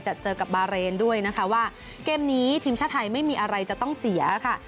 เจอกับบาเรนด้วยนะคะว่าเกมนี้ทีมชาติไทยไม่มีอะไรจะต้องเสียค่ะ